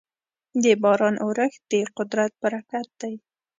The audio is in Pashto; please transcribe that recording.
د باران اورښت د قدرت برکت دی.